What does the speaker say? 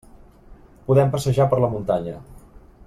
Podem passejar per la muntanya.